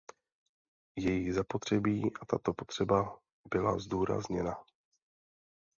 Je jí zapotřebí a tato potřeba byla zdůrazněna.